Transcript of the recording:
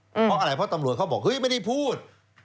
เพราะอะไรเพราะตำรวจเขาบอกเฮ้ยไม่ได้พูด